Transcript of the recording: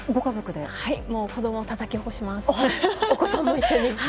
子どもをたたき起こします。